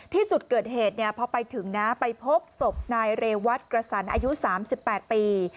ที่จุดเกิดเหตุพอไปถึงนะไปพบศพนายเรวัตกระสันอายุ๓๘ปี